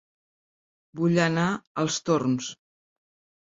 Vull anar a Els Torms